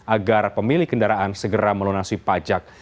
agar pemilik kendaraan segera melunasi pajak